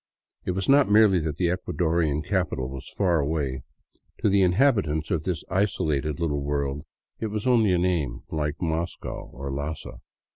It was not merely that the Ecuadorian capital was far away; to the inhabitants of this isolated little world it was only a name, like Moscow or Lhassa.